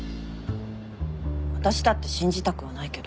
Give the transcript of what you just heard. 私だって信じたくはないけど。